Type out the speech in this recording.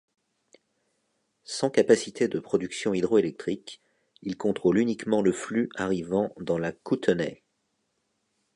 Sans capacité de production hydroélectrique, il contrôle uniquement le flux arrivant dans la Kootenay.